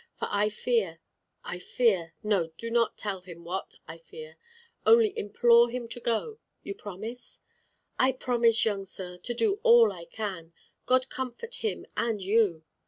For I fear, I fear no, do not tell him what I fear. Only implore of him to go. You promise?" "I promise, young sir, to do all I can. God comfort him and you."